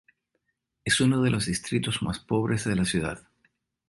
Es uno de los distritos más pobres de la ciudad.